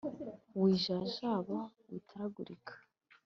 wijajaba, witaragurika :